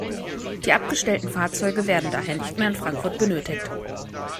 Die abgestellten Fahrzeuge werden daher nicht mehr in Frankfurt benötigt.